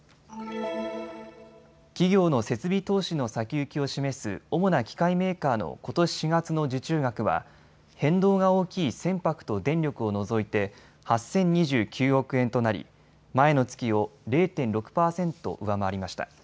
企業の設備投資の先行きを示す主な機械メーカーのことし４月の受注額は変動が大きい船舶と電力を除いて８０２９億円となり前の月を０．６％上回りました。